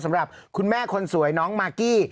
สำหรับคุณแม่คนสวยน้องมากกี้